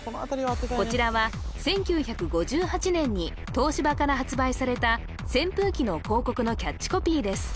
こちらは１９５８年に東芝から発売された扇風機の広告のキャッチコピーです